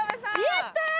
やったー！